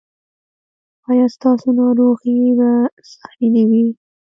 ایا ستاسو ناروغي به ساري نه وي؟